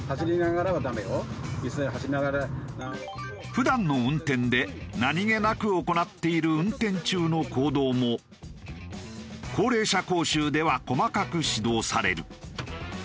普段の運転で何げなく行っている運転中の行動も高齢者講習では細かく指導される。